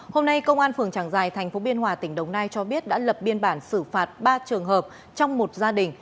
hôm nay công an phường trảng giài tp biên hòa tỉnh đồng nai cho biết đã lập biên bản xử phạt ba trường hợp trong một gia đình